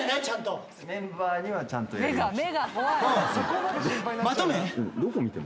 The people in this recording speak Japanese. ちゃんと。